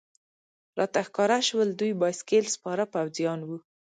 راته ښکاره شول، دوی بایسکل سپاره پوځیان و.